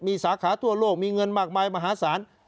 มีสาขาทั่วโลกมีเงินมากมายมหาศาล